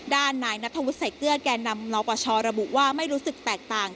ด้านนายนัทธวุฒิใส่เกลือแก่นำนปชระบุว่าไม่รู้สึกแตกต่าง